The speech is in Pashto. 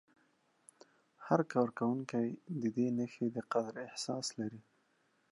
هر کارکوونکی د دې نښې د قدر احساس لري.